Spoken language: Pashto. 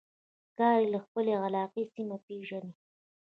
ښکاري د خپلې علاقې سیمه پېژني.